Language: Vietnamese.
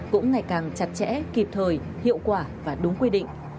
cũng ngày càng chặt chẽ kịp thời hiệu quả và đúng quy định